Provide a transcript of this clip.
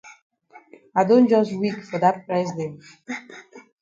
I don jus weak for dat price dem.